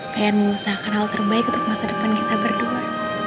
pengen mengusahakan hal terbaik untuk masa depan kita berdua